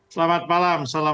selamat malam assalamualaikum